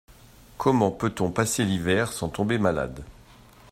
Comment peut-on y passer l’hiver sans tomber malade?